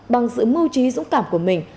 bằng sự mưu trí dũng cảm của mình